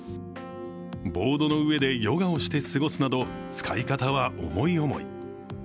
ボードの上でヨガをして過ごすなど、使い方は思い思い。